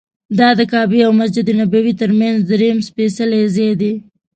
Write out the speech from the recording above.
دا د کعبې او مسجد نبوي تر څنګ درېیم سپېڅلی ځای دی.